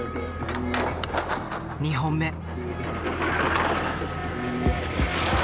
２本目。